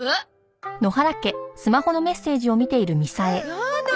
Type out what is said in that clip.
やだ